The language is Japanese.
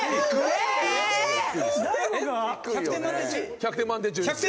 １００点満点中です。